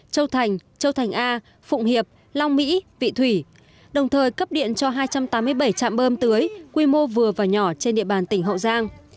châu thành châu thành a phụng hiệp long mỹ vị thủy đồng thời cấp điện cho hai trăm tám mươi bảy trạm bơm tưới quy mô vừa và nhỏ trên địa bàn tỉnh hậu giang